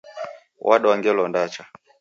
Wadwa ngelo ndacha